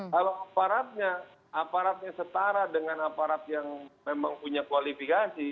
kalau aparatnya aparatnya setara dengan aparat yang memang punya kualifikasi